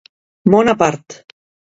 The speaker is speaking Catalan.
Món a part.